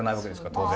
当然。